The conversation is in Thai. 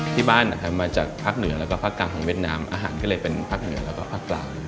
ที่บ้านมาจากภักด์เหนือและภักด์กลางของเวียดนามอาหารก็เลยเป็นภักด์เหนือและภักด์กลาง